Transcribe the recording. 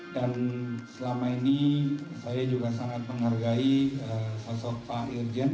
dan selama ini saya juga sangat menghargai sosok pak irjen